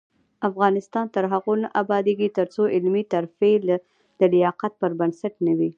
افغانستان تر هغو نه ابادیږي، ترڅو علمي ترفیع د لیاقت پر بنسټ نه وي.